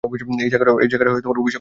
এই জায়গাটা অভিশপ্ত!